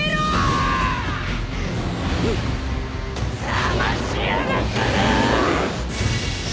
だましやがったなあ！